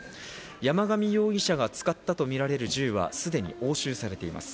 山上容疑者が使ったとみられる銃はすでに押収されています。